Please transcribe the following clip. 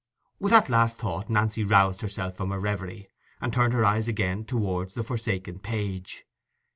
With that last thought Nancy roused herself from her reverie, and turned her eyes again towards the forsaken page.